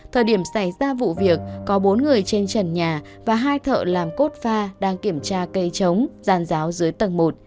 thời điểm xảy ra vụ việc có bốn người trên trần nhà và hai thợ làm cốt pha đang kiểm tra cây trống giàn giáo dưới tầng một